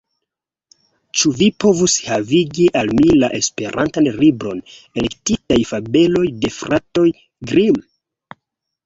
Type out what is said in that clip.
Ĉu vi povus havigi al mi la esperantan libron »Elektitaj fabeloj de fratoj Grimm«?